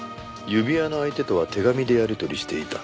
指輪の相手とは手紙でやり取りしていた。